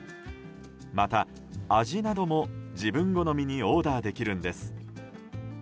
また、味なども自分好みにオーダーできるんです。